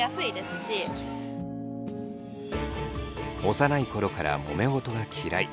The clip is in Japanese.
幼い頃からもめ事が嫌い。